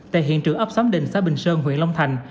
tại hiện trường ấp xóm đình xã bình sơn huyện long thành